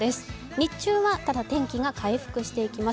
日中は天気が回復していきます。